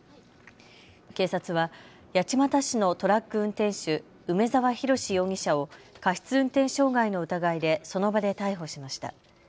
警察は八街市のトラック運転手、梅澤洋容疑者を過失運転傷害の疑いで、その場で逮捕しました。